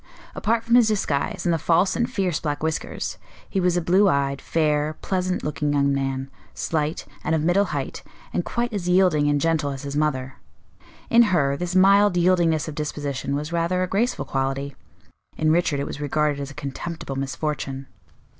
Apart from his disguise, and the false and fierce black whiskers, he was a blue eyed, fair, pleasant looking young man, slight, and of middle height, and quite as yielding and gentle as his mother. In her, this mild yieldingness of disposition was rather a graceful quality; in Richard it was regarded as a contemptible misfortune.